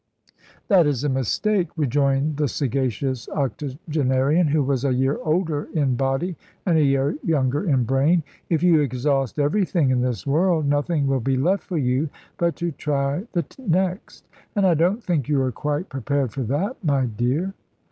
"That is a mistake," rejoined the sagacious octogenarian, who was a year older in body and a year younger in brain. "If you exhaust everything in this world, nothing will be left for you but to try the next. And I don't think you are quite prepared for that, my dear."